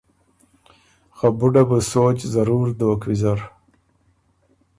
خه بُډه بُو سوچ ضرور دوک ویزر۔